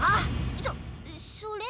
そそれは。